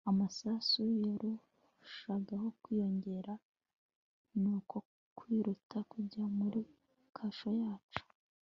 amasasu yarushagaho kwiyongera, nuko twiruka tujya muri kasho yacu